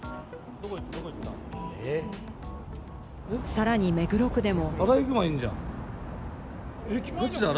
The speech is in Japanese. さらに目黒区でも。